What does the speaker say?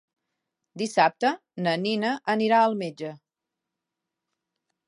Dissabte na Nina anirà al metge.